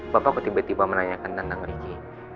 bapak aku tiba tiba menanyakan tentang rigi